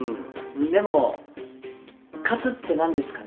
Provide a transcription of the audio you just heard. でも勝つって何ですかね？